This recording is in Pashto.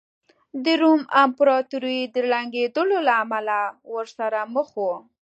د روم امپراتورۍ د ړنګېدو له امله ورسره مخ وه